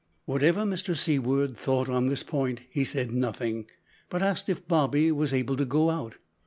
Whatever Mr Seaward thought on this point he said nothing, but asked if Bobby was able to go out.